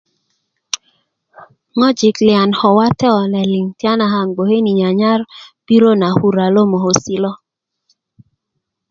ŋojik liyan ko wate kune liŋ kaaŋ yi gbokr ni nyanyar birö na kura lo mokosi' lo